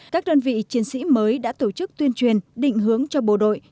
các đơn vị chiến sĩ mới đã tổ chức tuyên truyền định hướng cho bộ đội